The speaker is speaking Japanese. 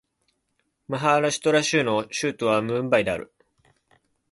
マハーラーシュトラ州の州都はムンバイである